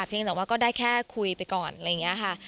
เพียงแต่ว่าก็ได้แค่คุยไปก่อนอะไรอย่างนี้ค่ะ